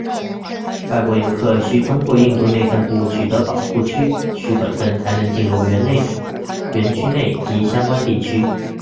外国游客需通过印度内政部取得保护区许可证才能进入园区内及相关地区。